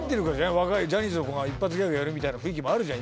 若いジャニーズの子が一発ギャグやるみたいな雰囲気もあるじゃん